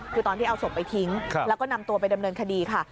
คือตอนที่เอาศพไปทิ้งแล้วก็นำตัวไปดำเนินคดีค่ะ